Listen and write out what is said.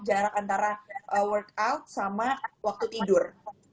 jarak antara workout sama waktu tidur